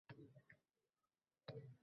Bu gapni u ishhga aloqasi yo'q.